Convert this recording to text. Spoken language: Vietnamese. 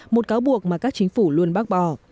một cáo buộc mà các chính phủ luôn bác bỏ